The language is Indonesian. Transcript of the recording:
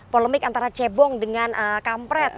polemik antara cebong dengan kampret